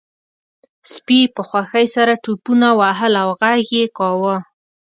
سپي په خوښۍ سره ټوپونه وهل او غږ یې کاوه